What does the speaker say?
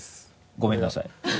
ごめんなさい。